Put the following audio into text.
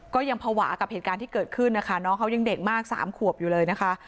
ก็ยังภาวะกับเหตุการณ์ที่เกิดขึ้นนะคะน้องเขายังเด็กมาก๓ขวบอยู่เลยนะคะ